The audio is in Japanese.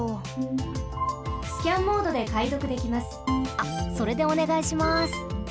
あっそれでおねがいします。